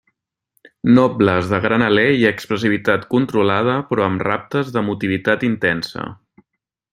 Nobles, de gran alè i expressivitat controlada, però amb raptes d'emotivitat intensa.